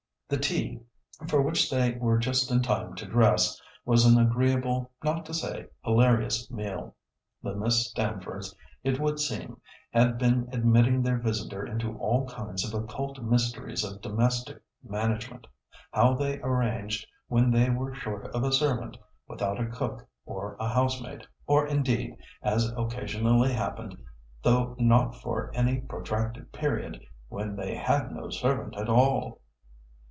The tea, for which they were just in time to dress, was an agreeable, not to say hilarious, meal. The Miss Stamfords, it would seem, had been admitting their visitor into all kinds of occult mysteries of domestic management. How they arranged when they were short of a servant, without a cook or a housemaid, or indeed, as occasionally happened, though not for any protracted period, when they had no servant at all.